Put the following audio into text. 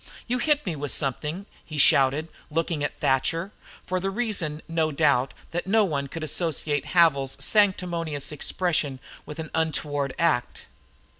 "You hit me with something," he shouted, looking at Thatcher, for the reason, no doubt, that no one could associate Havil's sanctimonious expression with an untoward act.